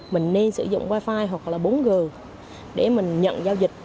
mình nên sử dụng wifi hoặc là bốn g để mình nhận giao dịch